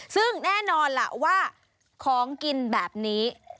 ซึ่งแน่นอนล่ะว่าของกินแบบนี้